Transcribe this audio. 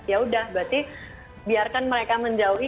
ya udah berarti biarkan mereka menjauhi